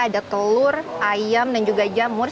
ada telur ayam dan juga jamur